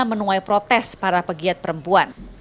menuai protes para pegiat perempuan